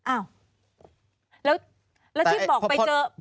อ้าวแล้วที่บอกไปเจอ